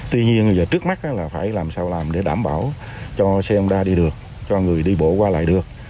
tuy nhiên trước mắt là phải làm sao làm để đảm bảo cho xe ông đa đi được cho người đi bộ qua lại được